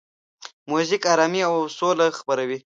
موزیک آرامي او سوله خپروي.